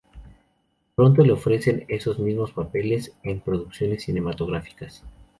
Pronto le ofrecieron esos mismos papeles en producciones cinematográficas.